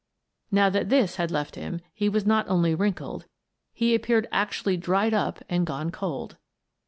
Now that this had left him, he was not only wrinkled — he ap peared actually dried up and gone cold.